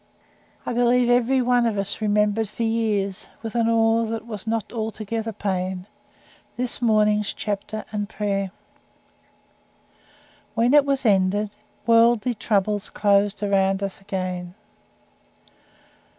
I believe every one of us remembered for years, with an awe that was not altogether pain, this morning's chapter and prayer. When it was ended, worldly troubles closed round us again.